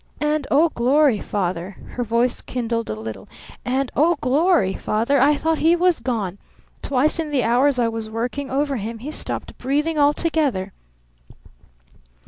And oh, glory, Father!" her voice kindled a little. "And, oh, glory, Father, I thought he was gone! Twice in the hours I was working over him he stopped breathing altogether!"